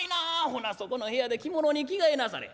ほなそこの部屋で着物に着替えなされ。